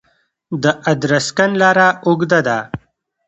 د ادرسکن لاره اوږده ده